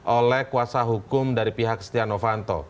oleh kuasa hukum dari pihak setia novanto